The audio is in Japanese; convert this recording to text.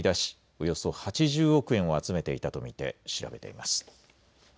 およそ８０億円を集めていたと見て調べています。